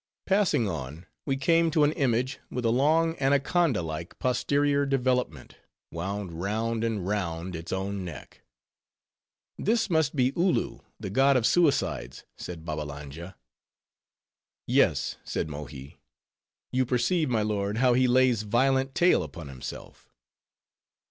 Passing on, we came to an image, with a long anaconda like posterior development, wound round and round its own neck. "This must be Oloo, the god of Suicides," said Babbalanja. "Yes," said Mohi, "you perceive, my lord, how he lays violent tail upon himself."